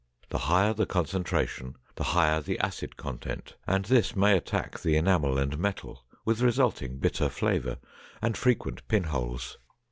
The higher the concentration, the higher the acid content, and this may attack the enamel and metal with resulting bitter flavor and frequent pinholes.